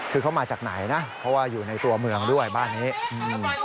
คือเขามาจากไหนนะเพราะว่าอยู่ในตัวเมืองด้วยบ้านนี้อืม